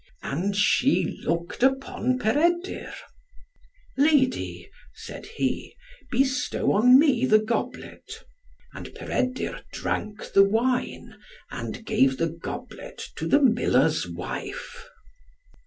And she looked upon Peredur. "Lady," said he, "bestow on me the goblet." And Peredur drank the wine, and gave the goblet to the miller's wife.